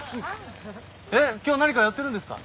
今日何かやってるんですか？